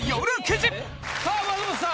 さあ松本さん。